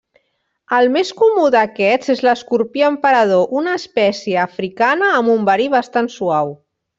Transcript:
El més comú d'aquests és l'escorpí emperador, una espècie africana amb un verí bastant suau.